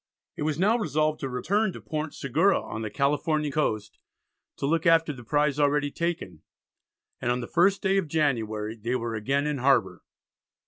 It was now resolved to return to Port Segura on the Californian coast to look after the prize already taken, and on the 1st day of January they were again in harbour.